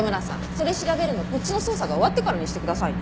それ調べるのこっちの捜査が終わってからにしてくださいね。